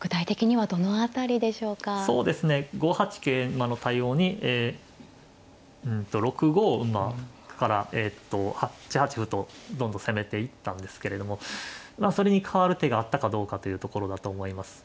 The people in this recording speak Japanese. ５八桂馬の対応に６五馬からえと８八歩とどんどん攻めていったんですけれどもまあそれにかわる手があったかどうかというところだと思います。